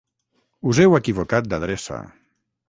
Us heu equivocat d'adreça